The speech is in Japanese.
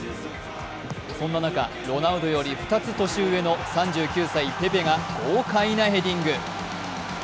そんな中、ロナウドより２つ年上の３９歳ペペが豪快なヘディング。